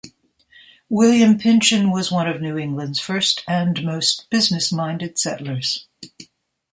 William Pynchon was one of New England's first and most business-minded settlers.